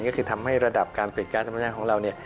ก็คือทำให้ระดับการผลิตก๊าซธรรมชาติของเรา